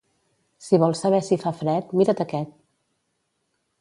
Si vols saber si fa fred, mira't aquest!